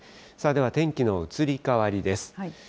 では天気の移り変わりです。